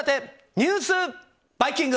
ニュースバイキング。